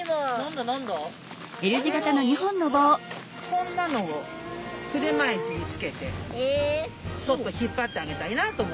このこんなのを車いすにつけてちょっと引っ張ってあげたいなと思ってます。